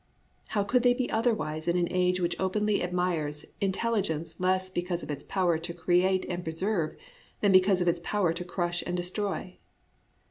How could they be otherwise in an age which openly admires intelligence less because of its power to create and preserve than because of its power to crush and destroy?